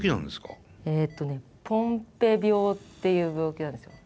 えっとねポンぺ病っていう病気なんですよ。